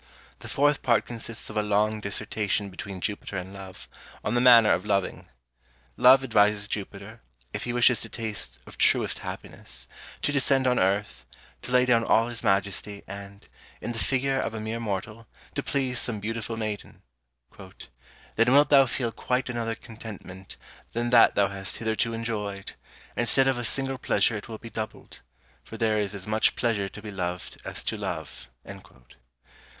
The fourth part consists of a long dissertation between Jupiter and Love, on the manner of loving. Love advises Jupiter, if he wishes to taste of truest happiness, to descend on earth, to lay down all his majesty, and, in the figure of a mere mortal, to please some beautiful maiden: "Then wilt thou feel quite another contentment than that thou hast hitherto enjoyed: instead of a single pleasure it will be doubled; for there is as much pleasure to be loved as to love."